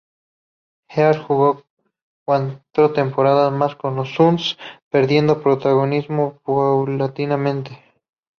Heard jugó cuatro temporadas más con los Suns, perdiendo protagonismo paulatinamente.